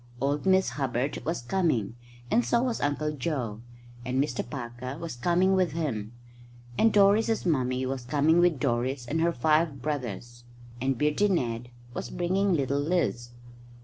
Old Miss Hubbard was coming, and so was Uncle Joe, and Mr Parker was coming with him; and Doris's mummy was coming with Doris and her five brothers; and Beardy Ned was bringing little Liz.